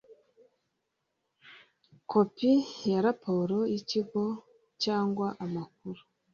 kopi ya raporo y ikigo cyangwa amakuru